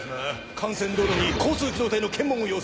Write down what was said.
幹線道路に交通機動隊の検問を要請。